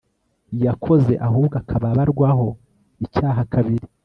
yakoze ahubwo akaba abarwaho icyaha kabiri